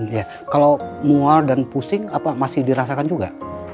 iya kalau mual dan pusing apa masih dirasakan juga